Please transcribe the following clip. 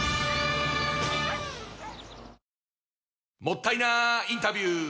もったいなインタビュー！